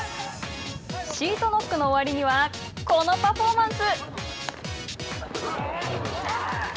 シートノックの終わりにはこのパフォーマンス。